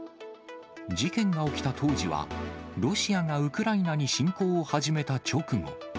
事件が起きた当時は、ロシアがウクライナに侵攻を始めた直後。